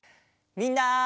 みんな！